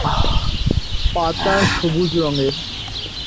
পাতা সবুজ রঙের।